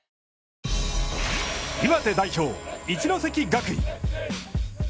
岩手代表・一関学院。